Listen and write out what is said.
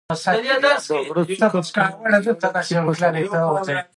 د غره څوکه په لړه کې پټه وه.